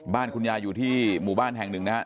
บ้านคุณยายอยู่ที่หมู่บ้านแห่งหนึ่งนะครับ